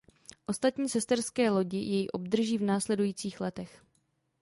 Ostatní sesterské lodi jej obdrží v následujících letech.